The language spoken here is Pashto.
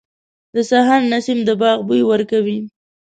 • د سهار نسیم د باغ بوی ورکوي.